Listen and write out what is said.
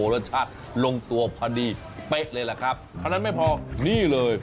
รสชาติลงตัวพอดีเป๊ะเลยล่ะครับเท่านั้นไม่พอนี่เลย